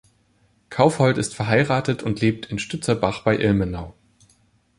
Kaufhold ist verheiratet und lebt in Stützerbach bei Ilmenau.